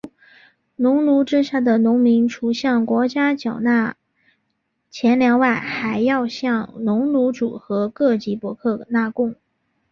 农奴制下的农民除向国家缴纳钱粮外还要向农奴主和各级伯克纳贡。